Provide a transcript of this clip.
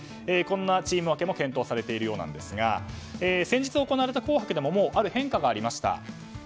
こんなチーム分けも検討されているようなんですが先日行われた「紅白」でもある変化がありました。